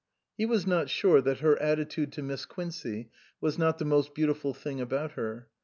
He was not sure that her attitude to Miss Quincey was not the most beautiful thing about her.